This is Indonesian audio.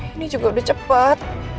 ini juga udah cepet